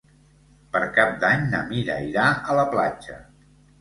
Per Cap d'Any na Mira irà a la platja.